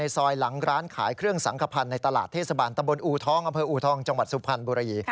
เทศบาลตำบลอูทองค์อำเภออูทองค์จังหวัดสุพรรณบุรี